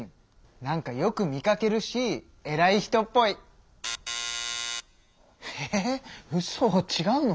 なんかよく見かけるしえらい人っぽい！えうそちがうの？